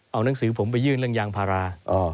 เอาหนังสือผมไปยื่นเรื่องยางพารา